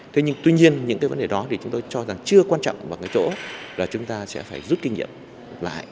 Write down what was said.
tuy nhiên những vấn đề đó chúng tôi cho rằng chưa quan trọng vào cái chỗ là chúng ta sẽ phải rút kinh nghiệm lại